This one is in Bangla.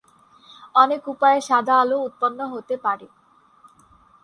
অনেক উপায়ে সাদা আলো উৎপন্ন হতে পারে।